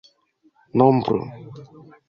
nombro